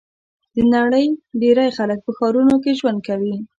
د نړۍ ډېری خلک په ښارونو کې ژوند کوي.